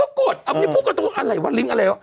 ละกลัวเลยตอนนี้ไม่กดเลย